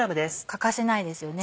欠かせないですよね。